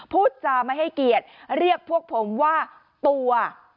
พูดจาไม่ให้เกียรติเรียกพวกผมว่าตัว